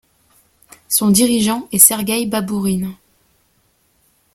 Son dirigeant est Sergueï Babourine.